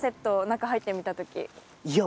いや